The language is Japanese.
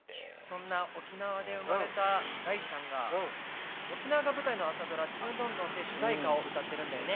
そんな沖縄で生まれた大ちゃんが沖縄が舞台の朝ドラ「ちむどんどん」で主題歌を歌ってるんだよね。